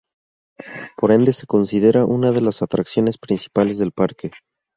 Por ende, se considera una de las atracciones principales del parque.